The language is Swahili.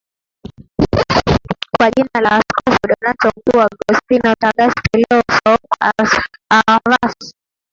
kwa jina la askofu Donato Mkuu Augustino Thagaste leo Souk Ahras